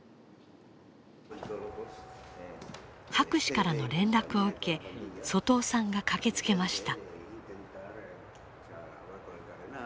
博士からの連絡を受け外尾さんが駆けつけました。